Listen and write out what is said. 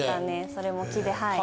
それも木ではい。